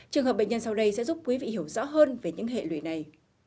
trường hợp bệnh nhân sau đây sẽ giúp quý vị hiểu rõ hơn về những hệ lụy này